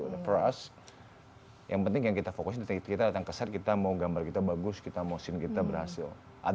untuk kita yang penting kita fokus kita datang ke set kita mau gambar kita bagus kita mau scene kita berhasil